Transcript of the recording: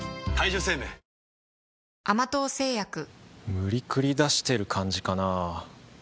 無理くり出してる感じかなぁ